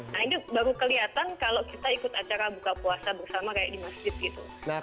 nah ini baru kelihatan kalau kita ikut acara buka puasa bersama kayak di masjid gitu